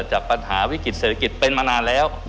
จากปัญหาวิกฤติเศรษฐกิจเป็นมานานแล้ว